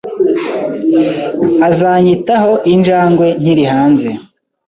Azanyitaho injangwe nkiri hanze.